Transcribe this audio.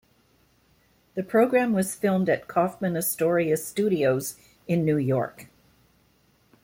The program was filmed at Kaufman Astoria Studios in New York.